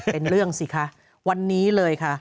เป็นเรื่องสิคะวันนี้เลยค่ะ